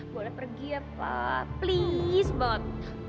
boleh pergi ya pak please banget